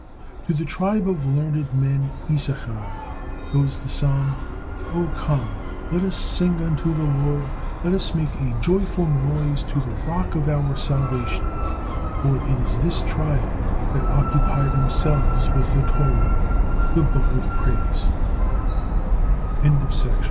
To the tribe of learned men, Issachar, goes the psalm: "O come, let us sing unto the Lord: let us make a joyful noise to the rock of our salvation," for it is this tribe that occupy themselves with the Tora